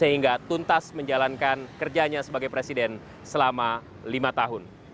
untuk beruntas menjalankan kerjanya sebagai presiden selama lima tahun